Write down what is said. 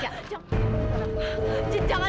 jangan jangan jangan jangan